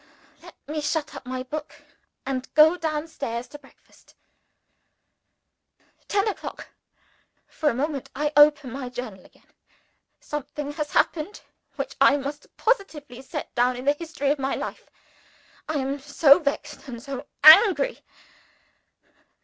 Let me shut up my book, and go down stairs to breakfast. Ten o'clock. For a moment, I open my Journal again. Something has happened which I must positively set down in the history of my life. I am so vexed and so angry!